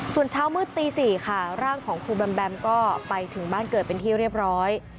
ส่วนเช้ามืดตี๔ค่ะร่างของครูแบมแบมก็ไปถึงบ้านเกิดเป็นที่เรียบร้อย